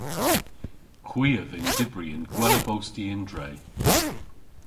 Hwi a vynn dybri y'n gwella bosti y'n dre.